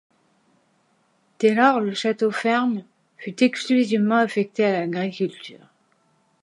Dès lors, le Château-ferme fut exclusivement affectée à l’agriculture.